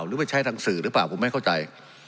หรือไปใช้ทางสื่อหรือเปล่าผมไม่เข้าใจ